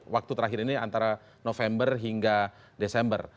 waktu terakhir ini antara november hingga desember